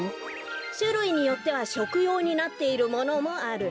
しゅるいによってはしょくようになっているものもある。